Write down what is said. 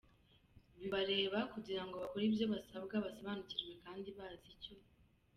bibareba, kugira ngo bakore ibyo basabwa basobanukiwe kandi bazi icyo